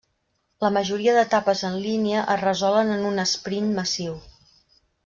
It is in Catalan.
La majoria d'etapes en línia es resolen en un esprint massiu.